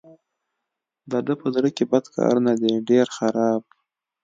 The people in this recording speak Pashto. د ده په زړه کې بد کارونه دي ډېر خراب.